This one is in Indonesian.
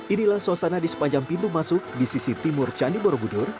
inilah suasana di sepanjang pintu masuk di sisi timur candi borobudur